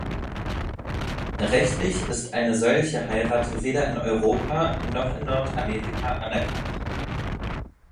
Rechtlich ist eine solche Heirat weder in Europa noch in Nordamerika anerkannt.